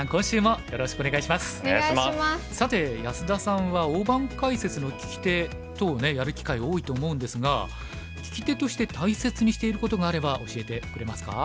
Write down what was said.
さて安田さんは大盤解説の聞き手等をねやる機会多いと思うんですが聞き手として大切にしていることがあれば教えてくれますか？